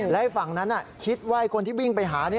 และฝั่งนั้นคิดว่าคนที่วิ่งไปหา